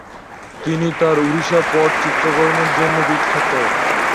তিনি তার ওড়িশা পট চিত্রকর্মের জন্য বিখ্যাত।